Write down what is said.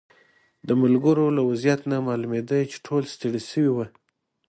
د ملګرو له وضعیت نه معلومېده چې ټول ستړي شوي وو.